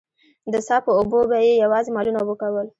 د څاه په اوبو به يې يواځې مالونه اوبه کول.